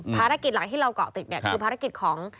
ภารกิจหลักที่เราเกาะติดเนี่ยคือภารกิจของ